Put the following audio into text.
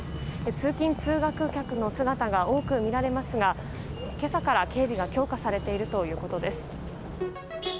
通勤・通学客の姿が多く見られますが今朝から警備が強化されているということです。